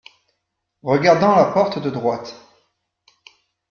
Regardant la porte de droite.